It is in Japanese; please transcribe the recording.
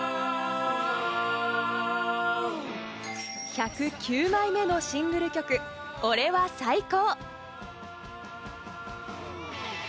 １０９枚目のシングル曲『俺は最高！！！』。